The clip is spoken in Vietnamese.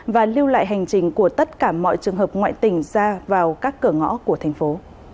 và lưu lại hành trình của tất cả mọi trường hợp ngoại tỉnh ra vào các cửa ngõ của thành phố